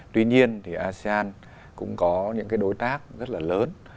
tuy nhiên thì asean cũng có những cái đối tác rất là lớn